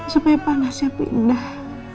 supaya panasnya pindah